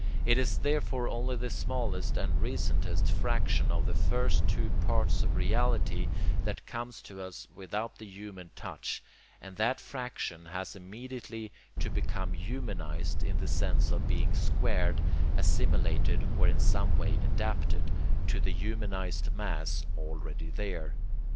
It is therefore only the smallest and recentest fraction of the first two parts of reality that comes to us without the human touch, and that fraction has immediately to become humanized in the sense of being squared, assimilated, or in some way adapted, to the humanized mass already there.